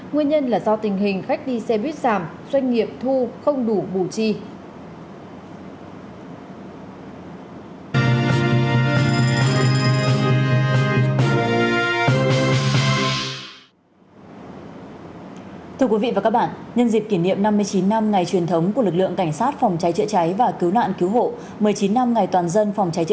nguyên nhân là do tình hình khách đi xe quyết giảm doanh nghiệp thu không đủ bù trì